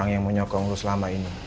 yang menyokong lo selama ini